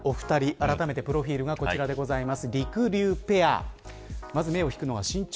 あらためてプロフィルがこちらでございます。